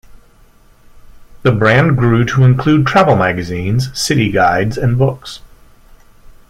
The brand grew to include travel magazines, city guides, and books.